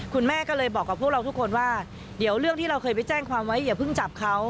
คุณแม่ก็เลยบอกกับพวกเราทุกคนว่าเดี๋ยวเรื่องที่เราเคยไปแจ้งความไว้อย่าเพิ่งจับเขา